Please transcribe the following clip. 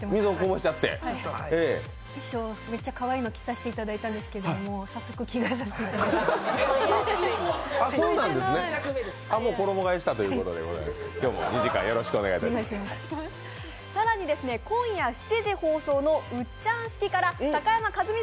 衣装、めっちゃかわいいの着させていただいたんですけどもう早速、着替えさせていただきました。